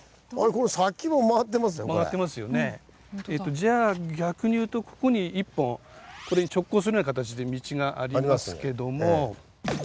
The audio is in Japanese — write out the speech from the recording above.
じゃあ逆に言うとここに一本これに直交するような形で道がありますけども。